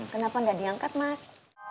kenapa enggak diangkat mas